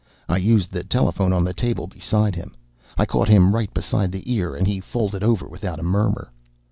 I used the telephone on the table beside him. I caught him right beside the ear and he folded over without a murmur.